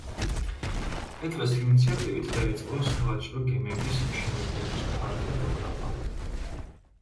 პეტრეს ინიციატივით დაიწყო სავაჭრო გემების მშენებლობის ფართო პროგრამა.